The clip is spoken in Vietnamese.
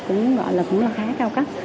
cũng gọi là cũng là khá cao cấp